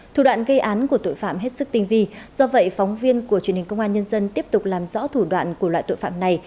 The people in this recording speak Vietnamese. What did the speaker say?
thủ đoạn gây án của tội phạm hết sức tinh vi do vậy phóng viên của truyền hình công an nhân dân tiếp tục làm rõ thủ đoạn của loại tội phạm này